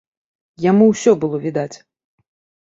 Яму ўсё было відаць.